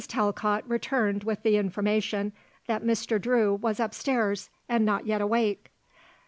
Talcott returned with the information that Mr. Drew was upstairs and not yet awake.